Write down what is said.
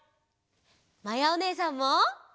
まやおねえさんも！